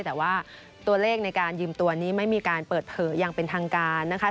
แต่ว่าตัวเลขในการยืมตัวนี้ไม่มีการเปิดเผยอย่างเป็นทางการนะคะ